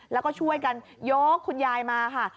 แล้วก็ช่วยกันยกคุณยายมาค่ะ